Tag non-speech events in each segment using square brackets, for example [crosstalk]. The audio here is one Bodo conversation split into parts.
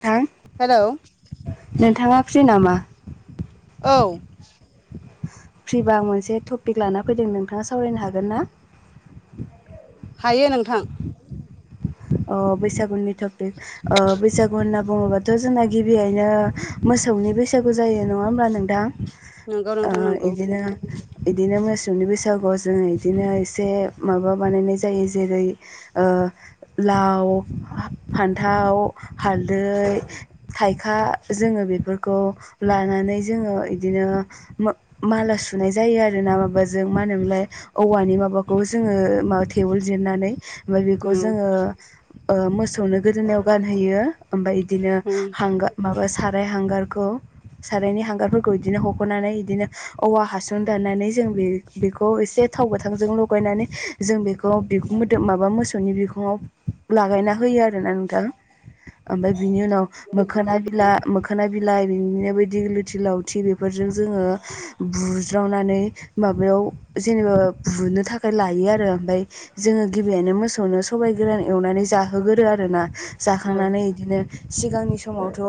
थां हेल' नोंथाङा फ्रि नामा औ फ्रिबा मोनसे टपिक लाना फैदों नोंथाङा सावरायनो हागोन ना हायो नोंथां आ बैसागुनि टपिक बैसागु होनना बुङोबाथ' जोंना गिबियैनो मोसौनि बैसागु जायो नङा होमब्ला नों दा नंगौ ओ नोंथां नंगौ नंगौ बिदिनो बिदिनो मोसौनि बैसागुआव जोंङ इदिनो एसे माबा बानायनाय जायो जेरै लाव फान्थाव हालदै थाइखा जोङो बेफोरखौ लानानै जोङो इदिनो माला सुनाय जायो आरोोना माबाजों मा होनोमोनलाय औवानि माबाखौ जोङो मा थेवल जिरनानै ओमफ्राय बेखौ उम जोङो मोसौनो गोदोनायाव गानहोयो ओमफ्राय बिदिनो औ हांगा हांगार माबा साराय हांगारखौ सारायनि हांगारफोरखौ बिदिनो हख'नानै बिदिनो औवा हासन दाननानै जों बे बेखौ एसे थाव गोथांजों लगायनानै जों बेखौ बिखुं मोदोम माबा मोसौनि बिखुं आव लागायना होयो आरोना नोंथां ओमफ्राय बिनि उनाव मोखोना बिला मोखोना बिलाइ बिनिनो बायदि लुथि लावथि बेफोरजों जोङो बुज्रावनानै माबायाव जेनेबा बुनो थाखाय लायो आरो ओमफ्राय जोङो गिबियनो मोसौनो सबाय गोरान एवनानै जाहोगोरो आरोना जाखांनानै इदिनो सिगांनि समावथ'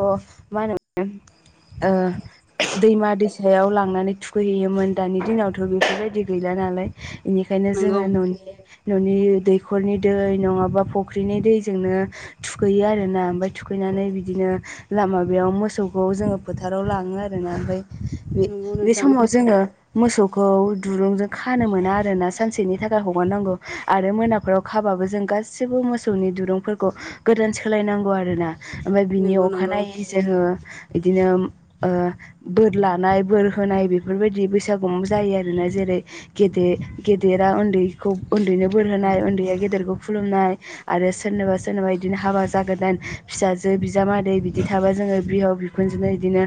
मा होनो दैमा दै सायाव लांनानै थुखैहैयोमोन दानि दिनावथ' बेफोरबायदि गैला नालाय इनिखायनो नंगौ जोङो न'नि न'नि दैखरनि दै नङाबा फुख्रिनि दैजोंनो थुखैयो आरोना ओमफ्राय थुखैनानै बिदिनो लामायाव मोसौखौ जोङो फोथाराव लाङो आरोना ओमफ्राय बे नंगौ बे नोंथां समाव जोङो मोसौखौ दुरुंजों खानो मोना आरोना सानसेनि थाखा हगारनांगौ आरो मोनाफोराव खाबाबो जों गाससिबो मोसौनि दिरुंफोरखौ गोदान सोलायनांगौ आरोना ओमफ्राय बिनि नंगौ नंगौ अखानायै जोङो बिदिनो बोर लानाय बोर होनाय बेफोरबायदि बैसागु जायो आरोना जेरै गेदे गेदेरा उन्दैखौ उन्दैनो बोरहोनाय उन्दैया गेदेरखौ खुलुमनाय आरो सोरनोबा सोरनोबा बिदिनो हाबा जागोदान फिसाजो बिजामादै बिदि थाबा जोङो बिहाव बिखु खुनजोंनो बिदिनो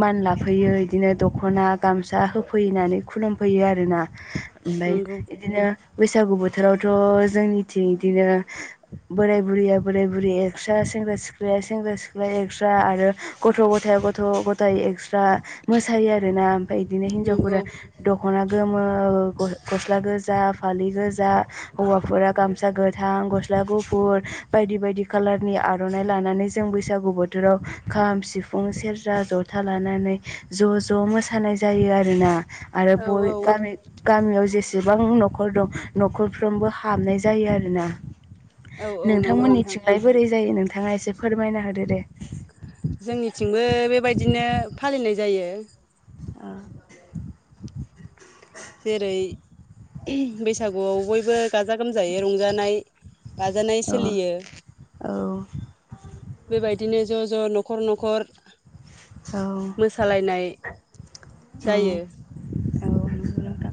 मान लाफैयो बिदिनो दख'ना गामसा होफैनानै खुलुमफैयो आरोना ओमफ्राय नंगौ बिदिनो बैसागु बोथोरावथ' जोंनिथिं बिदिनो बोराय बुरैया बोराय बुरै एक्स्रा सेंग्रा सिख्लाया सेंग्रा सिख्लाया एक्स्रा आरो गथ' गथायाइ गथ' गथायाइ एक्सट्रा मोसायो आरोना ओमफफ्राय बिदिनो नंगौ हिनजावफोरा दख'ना गोमो गस्ला गोजा फालि गोजा हौवा फोरा गामसा गोथां गस्ला गुफुर बायदि बायदि खाालारनि आर'नाइ लानानै जों बैसागु बोथ थोराव खाम सिफुं सेरजा जथा लानानै ज' ज' मोसानाय जायो आरोना आरो औ ब औ गामि गामियाव जेसेबां न'खर दं न'खरफ्रोमबो हाबनाय जायो आरोना औ औ नंगौ नोंथां नोंथमोननिथिंलाय बोरै जायो नोंथाङा एसे फोरमायना होदो दे जोंनिथिंबो बेबायदिनो फालिनाय जायो आ जेरै बैसागुआव बयबो गाजा गोमजायै रंजानाय गाजानाय औ सोलियो। औ। बेबायदिनो ज' ज' न'खर न'खर औ मोसालायनाय औ जायो। नंगौ नोंथां।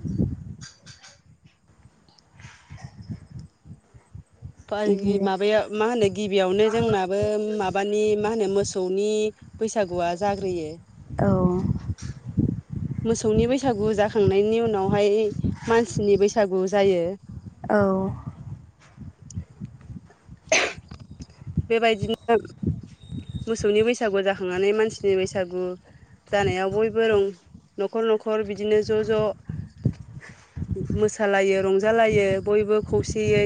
बिदिनो माबायाव मा होनो गिबियावनो जोंनाबो माबानि मा होनो मोसौनि बैसागुआ जाग्रोयो। औ। मोसौनि बैसागु जाखांनायनि उनावहाय मानसिनि बैसागु जायो। औ। बेबायदिनो मोसौनि बैसागु जाखांनानै मानसिनि बैसागु जानायाव बयबो रं न'खर न'खर बिदिनो ज' ज' मोसालायो रंजालायो बयबो खौसेयै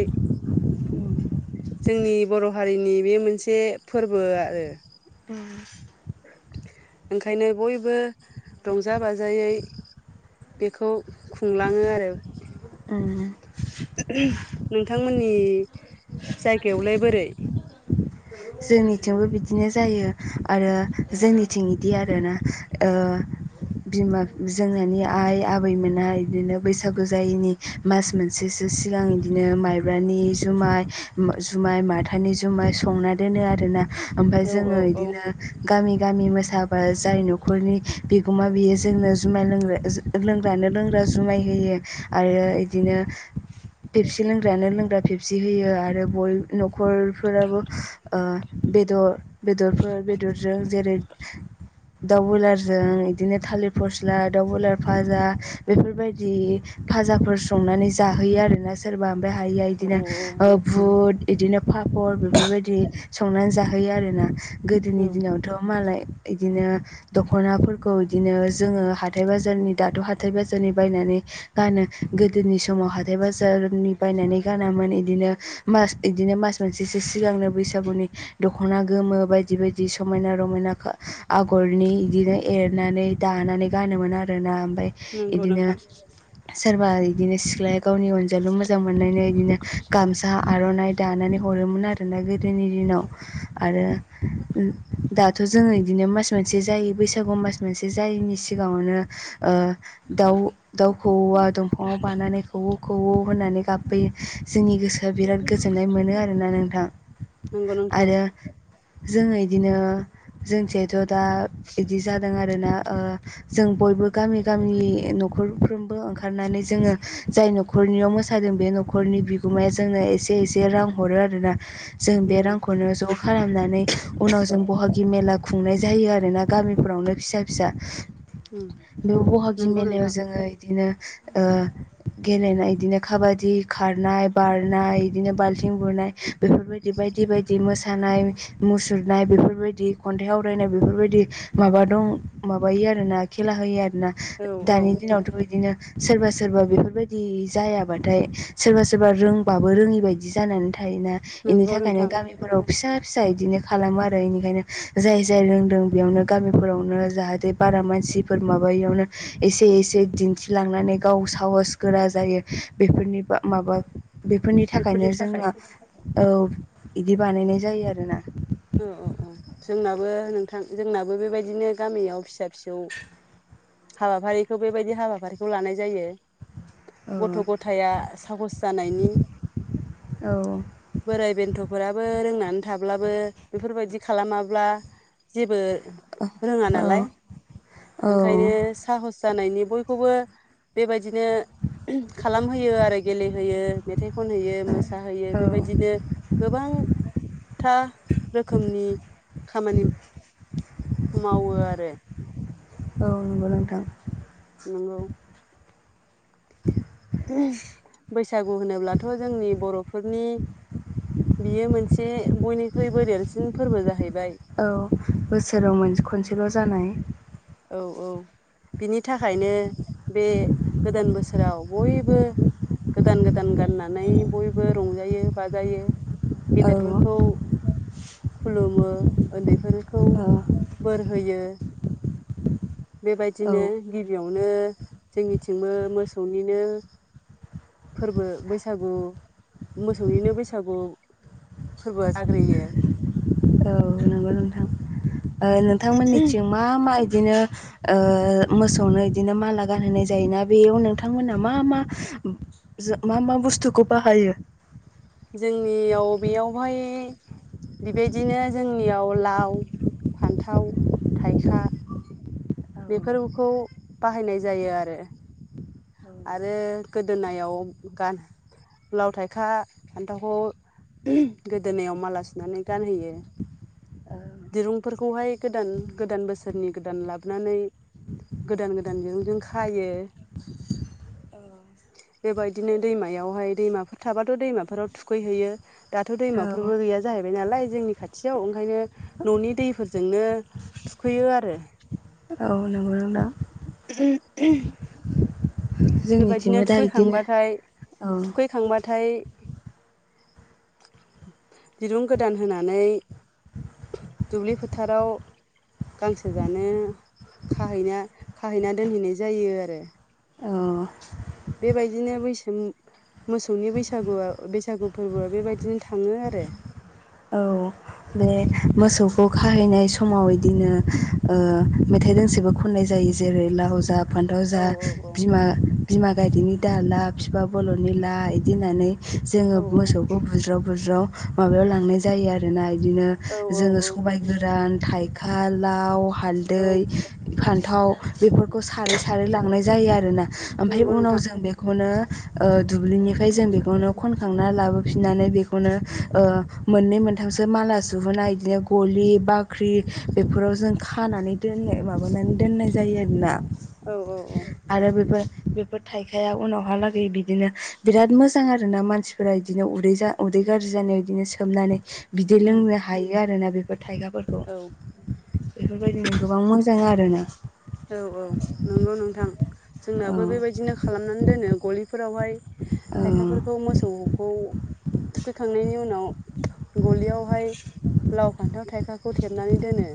जोंनि बर' हारिनि बे मोनसे फोरबो आरो द [inaudible] ओंखायनो बयबो रंजा बाजायै बेखौ खुंलाङो आरो [inaudible] नोंथांमोननि जायगायावलाय बोरै जोंनिथिंबो बिदिनो जायो आरो जोंनिथिं बिदि आरोना ओ बिमा जोंनानि आइ आबैमोना बिदिनो बैसागु जायैनि मास मोनसेसो सिगां बिदिनो माइब्रानि जुमाय जुमाय माथानि जुमाय संनानै दोनो आरोना ओमफ्राय औ जोङो औ बिदिनो गामि गामि मोसाबा जाय न'खरनि बिगोमा बियो जोंनो जुमाय लोंग्रा लोंग्रानो लोंग्रा जुमाय होयो आरो बिदिनो। फेबसि लोंग्रायानो लोंग्रा फेबसि होयो आरो बय न'खरफोराबो ओ बेदर बेदरफोर बेदरजों जेरै दाउ बुलारजों बिदिनो थालिर फस्ला दाउ बुलार भाजा बेफोरबायदि फाजाफोर संनानै जाहोयो आरोना। सोरबा ओमफ्राय हायया औ औ औ बिदिनो बुट बिदिनो पापर बेफोरबायदि संनानै जाहोयो आरोना औ गोदोनि दिनावथ' मालाय बिदिनो दख'नाफोरखौ बिदिनो जोङो हाथाय बाजारनि दाथ' हाथाइ बाजारनि बायनानै। गानो गोदोनि समाव हाथथाय बाजारनि बायनानै गानामोन बिदिनो। मास बिदिनो मास मोनसेसो सिगांनो बैस बैसागुनि दख'ना गोमो बायदि बायदि समायना रमायना आगरनि बिदिनो एरनानै दानानै गानोमोन आरोना ओमफ्राय नंगौ इदिनो नोंथां सोरबा बिदिनो सिख्लाया गावनि अनजालु मोजां मोननाय बिदिनो। गामसा आर'नाइ दानानै हरोमोन आरोना गोदोनि दिनाव आरो। दा थ' जोङो बिदिनो मास मोनसे जायो बैसागु मास मोनसे जायैनि सिगाङावनो। दाउ दाउ खौवा दंफाङाव बानानै खौवौ खौवौ होननानै गाबबोयो जोंनि गोसो। दा बिराद गोजोननाय मोनो आरोना नोंथां। नंगौ नोंथां आरो जोङ इदिनो जोंसेथ' दा बिदि जादों आरोना। जों बयबो गामि गामि न'खरफ्रोमबो ओंखारनानै जोङो जाय न'खर न'खरनियाव मोसादों बे न'खरनि बिगोमाया जोंनो एसे एसे रां हरो आरोना। जों बे औ रांखौनो ज' खालामनानै उनाव जों बहागि मेला खुंनाय जायो आरोना गामिफोरावनो फिसा फिसा। उम बे बहागि नंगौ मेलायाव नोंथां जोङो बिदिनो। गेलेनाय बिदिनो खाबादि खारनाय बारनाय बिदिनो बाल्थिं बारनाय। बेफोर बायदि बायदि मोसानाय मुसुरनाय बेफोरबायदि खन्थाइ आवरायनाय बेफोर बायदि माबा दं माबायो आरोोना खेला होयो आरोना औ औ दानि दिनावथ' बिदिनो। सोरबा सोरबा बेफोरबायदि जायाबाथाय सोरबा सोरबा रोंबाबो रोङिबायदि जानानै थायोना। बेनि नंगौ थाखायनो नोंथां गामि। फोराव फिसा फिसा बिदिनो खालामो आरो बेनिखायनो जाय जाय रोंदों बेयावनो गामिफोरावनो जाहाथे बारा मानसिफोर माबायावनो एसे एसे दिन्थिलांनानै गाव साहस गोरा जायो बेफोरनि माबा। बेफोरनि थाखायनो जोंना औ इदि बानायनाय जायो आरोना। औ औ औ जोंनाबो नोंथां जोंनाबो बेबायदिनो गामियाव फिसा फिसौ। हाबाफारिखौ बेबायदि हाबाफारिखौ लानाय जायो। औ गथ' गथाया साहस जानायनि औ बोराय बेन्थ'फोराबो रोंनानै थाब्लाबो बेफोर बायदि खालामाब्ला जेबो। रोङा नालाय औ ओंखायनो औ साहस जानायनि बयखौबो बेबायदिनो खालामहोयो आरो गेलेहोयो मेथाइ खनहोयो मोसाहोयो औ बेबायदिनो। गोबां था रोखोमनि खामानि मावो आरो। औ नंगौ नोंथां। नंगौ। [inaudible] बैसागु होनोब्लाथ' जोंनि बर'फोरनि बियो मोनसे बयनिख्रुइबो देरसिन फोरबो जाहैबाय। औ बोसोराव मोनसे खनसेल' जानाय औ औ। बिनि थाखायनो बे गोदान बोसोराव बयबो गोदान गोदान गाननानै बयबो रंजायो बाजायो। औ गेदेरफोरखौ खुलुमो उन्दैफोरखौ औ बोर होयो। औ बेबायदिनो गिबियावनो जोंनिथिंबो मोसौनिनो। फोरबो बैसागु मोसौनिनो बैसागु। फोरबोआ जाग्रोयो। नोंथां नोंथांमोननिथिं मा मा बिदिनो मोसौनो बिदिनो माला गानहोनाय जायोना बेयाव नोंथांमोना मा मा? जा मा मा बुस्थुखौ बाहायो? जोंनियाव बेयावहाय। दा बेबायदिनो जोंनियाव लाव फान्थाव थाइखा। [unintelligible] बेफोरखौ बाहायनाय जायो आरो। आरो गोदोनायाव गान लाव थाइखा फान्थावखौ गोदोनायाव माला सुनानै गानहोयो। दिरुंफोरखौहाय गोदान गोदान बोसोरनि गोदान लाबोनानै गोदान गोदानजोंजों खायो। औ। बे बादिनो दैमायावहाय दैमाफोर थाबाथ' दैमाफोराव थुखैहैयो। दाथ' औ दैमाफोरबो गैया जाहैबाय नालाय जोंनि खाथियाव ओंखायनो। न'नि दैफोरजोंनो थुखैयो आरो। औ नंगौ नोंथां। [inaudible] जोंनि बेबायदिनो थिबो दा बिदिनो औ थांबाथाय [inaudible] दिरुं गोदान होनानै दुब्लि फोथाराव गांसो जानो खाहैना खाहैना दोनहैनाय जायो आरो। अ बेबायदिनो बैसो मोसौनि बैसागुआ बैसागु फोरबोआ बेबायदिनो थाङो आरो। औ बे मोसौखौ खाहैनाय समाव इदिनो ओ मेथाइ दोंसेबो खननाय जायो। जेरै लाउ जा फान्थाव औ जा औ बिमा बिमा गायदेरनि दाला बिफा बल'नि ला बिदि होननानै जोङो औ मोसौखौ बुज्राव बुज्राव माबायाव लांनाय जायो आरोना। बिदिनो औ जोङो सबाय गोरान थाइखा लाव औ हालदै फान्थाव बेफोरखौ सारै सारै लांनाय जायो आरोना। ओमफ्राय नंगौ उनाव नोंथां जों बेखौनो ओ दुब्लिनिफ्राय जों बेखौनो खनखां ना लाबोफिननानै बेखौनो ओ मोननै मोनथामसो माला जुरुना बिदिनो गलि बाख्रि बेफोराव जों खानानै दोननाय माबानानै दोननाय जायो आरोना। औ औ औ आरो बेफोर बेफोर थाइखाया उनावहालागै बिदिनो बिराद मोजां आरोना मानसि फोरा इदिनो उदै जा उदै गाज्रि जानाय बिदिनो सो सोमनानै बिदि उम लोंनो हायो आरोना बेफोर थाइगाफोर औ बेफोरबायदिनो गोबां मोजां आरो ना। औ औ नंगौ नोंथां औ जोंनाबो बेबायदिनो खालामनानै दोनो गलिफोरावहाय औ थाइखाफोरखौ मोसौ खौ थुखैखांनायनि उनाव गलियावहाय लाव फान्थाव थायखा खौ थेबनानै दोनो।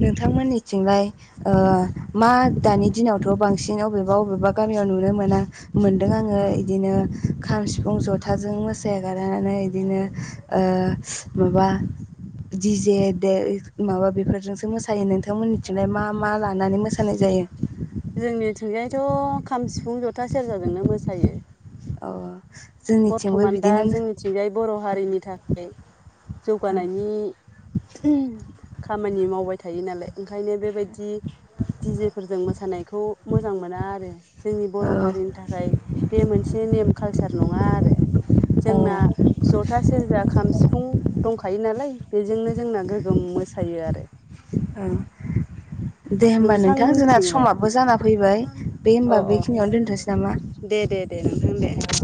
नोंथांमोननिथिंलाय ओ मा दानि दिनावथ' बांसिन अबेबा अबेबा गामियाव नुनो मोना मोनदों आङो इदिनो खाम सिफुं जथाजों मोसायागारानो इदिनो ओ माबा दि जे दे माबा बेफोरजोंसो मोसायो नोंथांमोननिथिं मा मा लानानै मोसानाय जायो? जोंनिथिंजायाथ' खाम सिफुं जथा सेरजाजोंनो मोसायो। ओ बरथ'मान दा जोंनिथिंजाय बर' हारिनि थाखाय जौगानायनि खामानि मावबाय थायो नालाय ओंखायनो बेबाय दि दि जेफोरजों मोसानायखौ मोजां मोना आरो। जोंनि औ बर' हारिनि थाखाय बे मोनसे नेम कालचार औ जोंना जथा सेरजा खाम सिफुं दंखा थायो नालाय बेजोंनो जोंना गोगोम मोसायो आरो। ओं दे होमबा नोंथां जोंना नोंथांमोनथिंलाय समाबबो जाना फैबाय बे अ होमबा अ बेखिनियावनो दोनथ'सै नामा? दे दे दे नोंथां दे औ